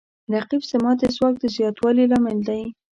رقیب زما د ځواک د زیاتوالي لامل دی